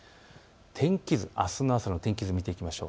あすの朝の天気図、見ていきましょう。